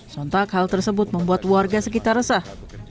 sontak hal tersebut membuat warga sekitar resah